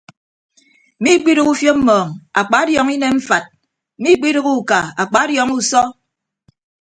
Miikpidooho ufiop mmọọñ akpadiọọñọ inem mfat miikpidooho uka akpadiọọñọ usọ.